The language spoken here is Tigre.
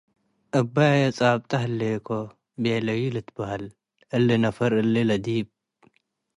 እባዬ ጻብጠ ህሌኮ” ቤለዩ ልትበሀል። እሊ ነፈር እሊ ለዲብ